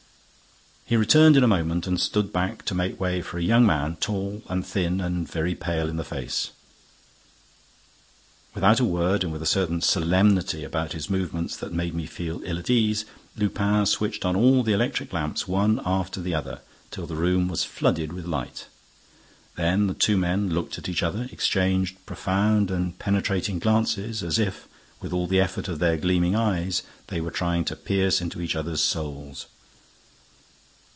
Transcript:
He returned in a moment and stood back to make way for a young man, tall and thin and very pale in the face. Without a word and with a certain solemnity about his movements that made me feel ill at ease. Lupin switched on all the electric lamps, one after the other, till the room was flooded with light. Then the two men looked at each other, exchanged profound and penetrating glances, as if, with all the effort of their gleaming eyes, they were trying to pierce into each other's souls.